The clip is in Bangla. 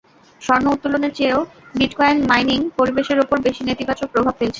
স্বর্ণ উত্তোলনের চেয়েও বিটকয়েন মাইনিং পরিবেশের ওপর বেশি নেতিবাচক প্রভাব ফেলছে।